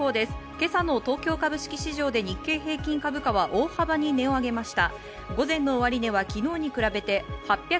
今朝の東京株式市場で日経平均株価は大幅に値を上げました。